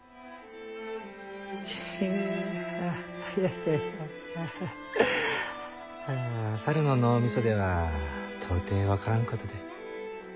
ヘヘハハいやいやあ猿の脳みそでは到底分からんことで。